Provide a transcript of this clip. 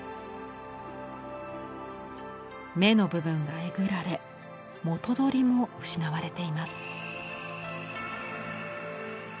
目の部分がえぐられ髻も失われています。